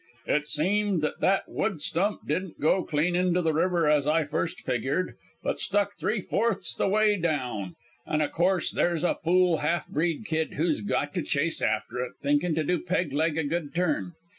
"It seemed that that wood stump didn't go clean to the river as I first figured, but stuck three fourths the way down. An' a course there's a fool half breed kid who's got to chase after it, thinkin' to do Peg leg a good turn.